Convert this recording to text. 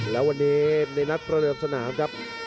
แล้ววันนี้ในนัดประเดิมสนามครับ